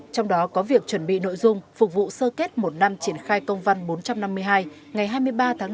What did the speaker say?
trong đó có việc chuẩn bị nội dung phục vụ sơ kết một năm triển khai công văn bốn trăm năm mươi hai ngày hai mươi ba tháng năm